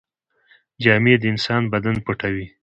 جامې د انسان بدن پټوي.